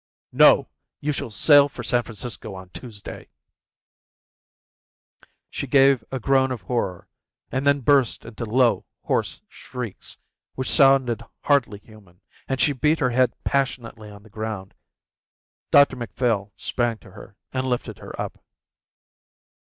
"No. You shall sail for San Francisco on Tuesday." She gave a groan of horror and then burst into low, hoarse shrieks which sounded hardly human, and she beat her head passionately on the ground. Dr Macphail sprang to her and lifted her up.